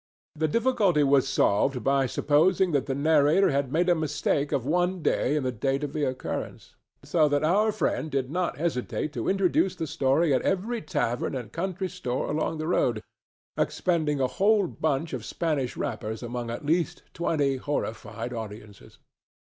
The difficulty was solved by supposing that the narrator had made a mistake of one day in the date of the occurrence; so that our friend did not hesitate to introduce the story at every tavern and country store along the road, expending a whole bunch of Spanish wrappers among at least twenty horrified audiences.